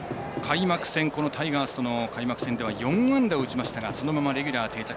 タイガースとの開幕戦では４安打を打ちましたがそのままレギュラー定着。